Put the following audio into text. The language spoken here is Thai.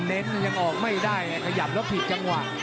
เน้นยังออกไม่ได้ขยับแล้วผิดจังหวะ